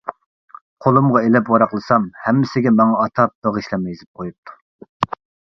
قولۇمغا ئېلىپ ۋاراقلىسام ھەممىسىگە ماڭا ئاتاپ بېغىشلىما يېزىپ قويۇپتۇ.